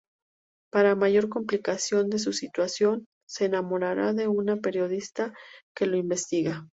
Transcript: Para mayor complicación de su situación, se enamorará de una periodista que lo investiga.